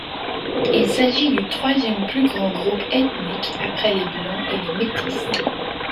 Il s'agit du troisième plus grand groupe ethnique, après les Blancs et les métis.